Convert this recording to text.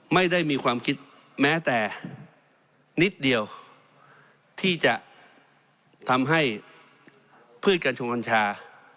ไม่ได้มีความคิดแม้แต่นิดเดียวที่จะทำให้พืชกัญชงกัญชา